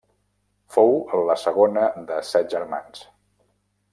Fou la segona de set germans.